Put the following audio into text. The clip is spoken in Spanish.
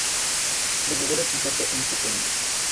Verdadero Quijote en pequeño.